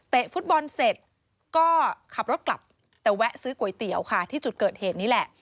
ฟุตบอลเสร็จก็ขับรถกลับแต่แวะซื้อก๋วยเตี๋ยวค่ะที่จุดเกิดเหตุนี้แหละ